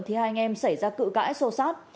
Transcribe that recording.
thì hai anh em xảy ra cự cãi xô xát